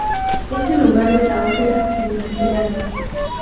Es el hogar de la Ópera de Montreal.